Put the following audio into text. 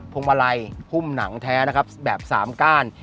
วงมาลัยหุ้มหนังแท้นะครับแบบ๓ก้าน